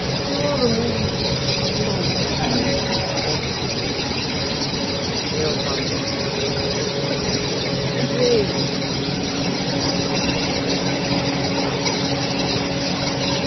You are removed, a long way, from the frailties of the crowd. You contemplate them from a height, and rail at them with a most impressive bitterness. I have heard you.